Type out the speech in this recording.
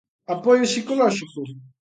¿Apoio psicolóxico?